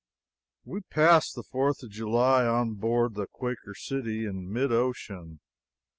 We passed the Fourth of July on board the __Quaker City__, in mid ocean.